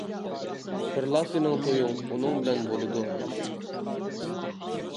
بىرلا سېنىڭ تويۇڭ ئۇنىڭ بىلەن بولىدۇ ئاداش.